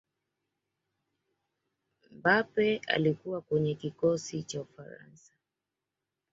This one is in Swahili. mbappe alikuwa kwenye kikosi cha ufaransa